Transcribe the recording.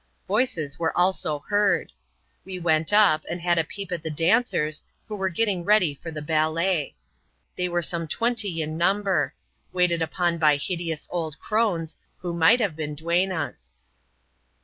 Voices also were heard. We went up, and had a peep at the dancers, who were getting ready for the ballet. They were some twenty in number ; waited upon by hideous old crones, who might have been duennas.